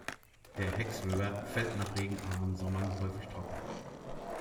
Der Hex River fällt nach regenarmen Sommern häufig trocken.